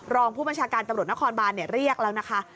รองผู้บัญชาการตำรวจนครบานเรียกแล้วนะคะ